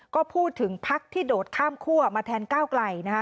ก็พูดถึงพักที่โดดข้ามคั่วมาแทนก้าวไกลนะคะ